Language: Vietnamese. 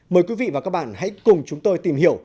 mời quý vị và các bạn hãy cùng chúng tôi tìm hiểu